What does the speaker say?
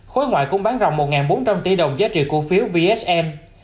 khối ngoại cũng bán rộng một bốn trăm linh tỷ đồng giá trị cổ phiếu vsm